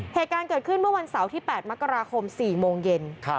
เหตุการณ์เกิดขึ้นเมื่อวันเสาร์ที่๘มกราคม๔โมงเย็น